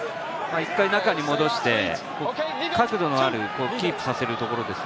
１回中に戻して、角度のあるキープさせるところですね。